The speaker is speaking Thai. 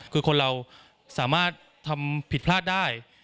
คือคนเราสามารถทำผิดพลาดได้